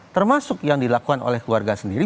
termasuk yang dilakukan oleh keluarga sendiri